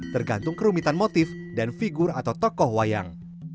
tergantung kerumitan motif dan figur atau tokoh wayang